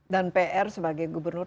dan pr sebagai gubernur